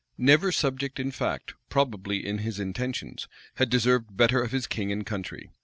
Never subject in fact, probably in his intentions, had deserved better of his king and country.